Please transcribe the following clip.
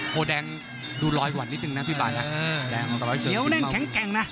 โฮแดงดูร้อยหวั่นนิดนึงนะพี่บาญธรรมดา